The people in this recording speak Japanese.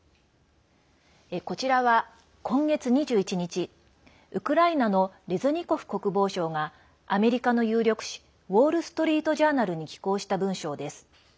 こちらは、今月２１日ウクライナのレズニコフ国防相がアメリカの有力紙ウォール・ストリート・ジャーナルに寄稿した文章です。